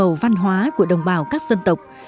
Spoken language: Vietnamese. màu văn hóa của đồng bào các dân tộc